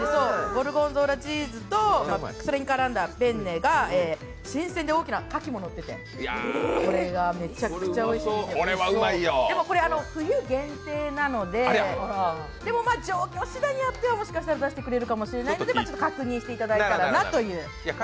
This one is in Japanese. ゴルゴンゾーラチーズとそれに絡んだペンネが新鮮で大きなかきものっていてこれがめちゃくちゃおいしくてでもこれ、冬限定なので状況次第によってはもしかしたら出してくれるかもしれないので、確認していただいたらと。